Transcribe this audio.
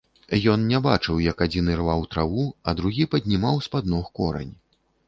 Ён не бачыў, як адзін ірваў траву, а другі паднімаў з-пад ног корань.